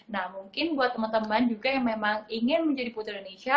nah mungkin buat teman teman juga yang memang ingin menjadi putri indonesia